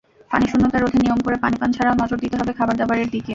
পানিশূন্যতা রোধে নিয়ম করে পানি পান ছাড়াও নজর দিতে হবে খাবারদাবারের দিকে।